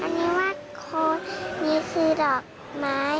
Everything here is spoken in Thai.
เห็นว่ามีชื่อคุณพ่อคุณแม่ด้วย